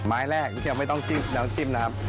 ไม้แรกไม่ต้องจิ้มนะครับ